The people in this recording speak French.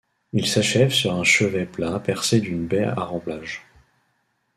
Il s’achève sur un chevet plat percé d’une baie à remplage.